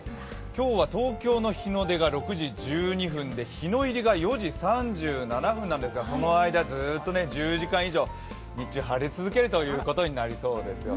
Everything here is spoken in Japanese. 今日は東京の日の出が６時１２分で日の入りが４時３７分なんですがその間ずっと１０時間以上、日中、晴れ続けることになりそうです。